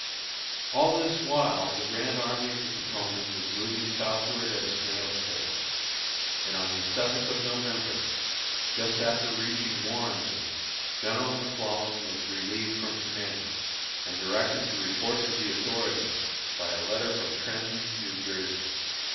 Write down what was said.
All this while the Grand Army of the Potomac was moving southward at a snail's pace; and on the seventh of November, just after reaching Warrenton, General McClellan was relieved from command, and directed to report to the authorities by letter from Trenton, New Jersey.